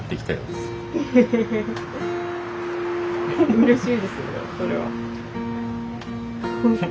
うれしいですねそれは。